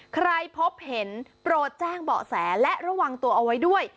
ใครพบเห็นโปรดแจ้งเบาะแสและระวังตัวเอาไว้ด้วย